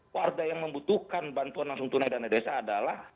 warga yang membutuhkan bantuan langsung tunai dana desa adalah